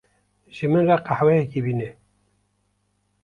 Ji min re qehweyekê bîne.